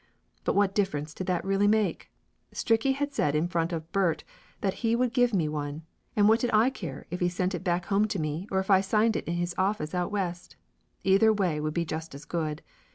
But what difference did that really make? Stricky had said in front of Bert, that he would give me one, and what did I care if he sent it back home to me or if I signed in his office out West? Either way would be just as good.